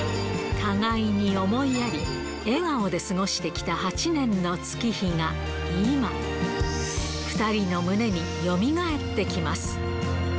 互いに思いやり、笑顔で過ごしてきた８年の月日が今、２人の胸によみがえってきます。